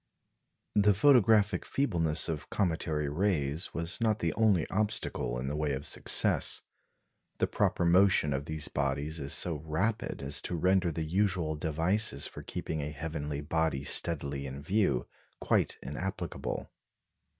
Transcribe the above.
The photographic feebleness of cometary rays was not the only obstacle in the way of success. The proper motion of these bodies is so rapid as to render the usual devices for keeping a heavenly body steadily in view quite inapplicable.